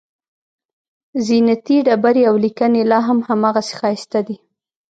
زینتي ډبرې او لیکنې لاهم هماغسې ښایسته دي.